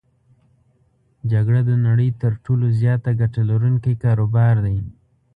جګړه د نړی تر ټولو زیاته ګټه لرونکی کاروبار دی.